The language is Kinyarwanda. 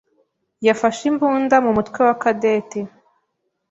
yafashe imbunda mu mutwe wa Cadette.